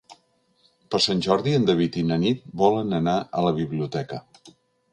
Per Sant Jordi en David i na Nit volen anar a la biblioteca.